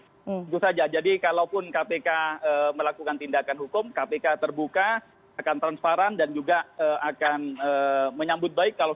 tentu saja jadi kalaupun kpk melakukan tindakan hukum kpk terbuka akan transparan dan juga akan menyambut baik